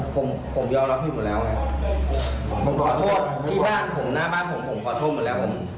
ผมผมยอมรับผิดหมดแล้วไงผมขอโทษที่บ้านผมหน้าบ้านผมผมขอโทษหมดแล้วผม